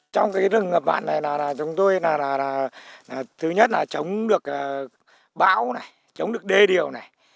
trong trồng rừng ngập mặn này chúng tôi thứ nhất là chống được bão chống được đê điều